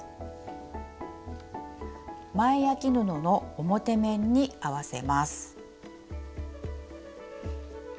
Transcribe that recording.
前あき布の表面に合わせます。